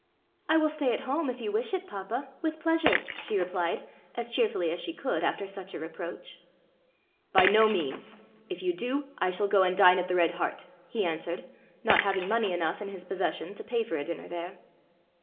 "I will stay at home, if you wish it, papa, with pleasure," she replied, as cheerfully as she could after such a reproach. "By no means. If you do, I shall go and dine at the Red Hart," he answered not having money enough in his possession to pay for a dinner there.